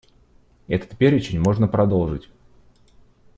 Этот перечень можно продолжить.